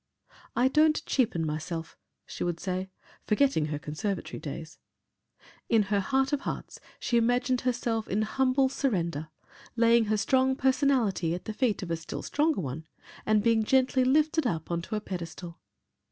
"I don't cheapen myself," she would say, forgetting her conservatory days. In her heart of hearts, she imagined herself in humble surrender, laying her strong personality at the feet of a still stronger one and being gently lifted up on to a pedestal.